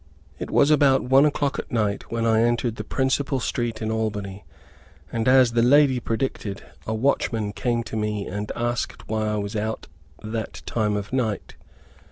It was about one o'clock at night when I entered the principal street in Albany, and, as the lady predicted, a watchman came to me and asked why I was out that time of night.